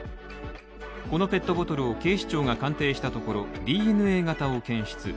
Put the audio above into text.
このペットボトルを警視庁が鑑定したところ、ＤＮＡ型を検出。